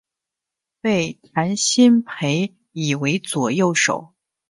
被谭鑫培倚为左右手。